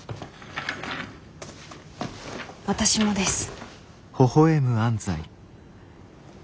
私もです。